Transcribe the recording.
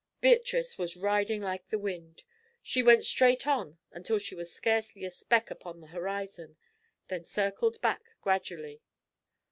Beatrice was riding like the wind. She went straight on until she was scarcely a speck upon the horizon, then circled back gradually.